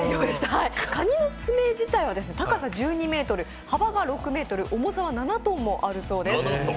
カニの爪自体は高さ１２ｍ幅が６ｍ、重さは７ｔもあるそうです。